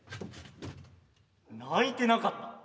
泣いてなかった？